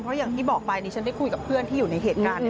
เพราะอย่างที่บอกไปดิฉันได้คุยกับเพื่อนที่อยู่ในเหตุการณ์